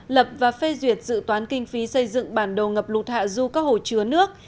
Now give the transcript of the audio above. lập và phê duyệt dự toán kinh phí xây dựng bản đồ ngập lụt hạ du các hồ chứa nước